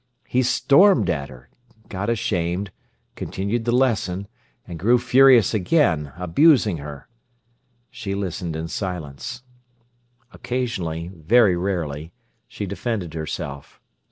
He stormed at her, got ashamed, continued the lesson, and grew furious again, abusing her. She listened in silence. Occasionally, very rarely, she defended herself.